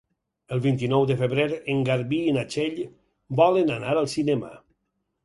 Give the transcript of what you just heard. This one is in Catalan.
El vint-i-nou de febrer en Garbí i na Txell volen anar al cinema.